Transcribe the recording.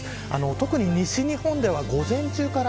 特に西日本では午前中から